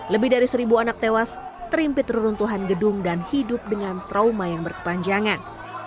lebih dari seribu anak tewas terimpit reruntuhan gedung dan hidup dengan trauma yang berkepanjangan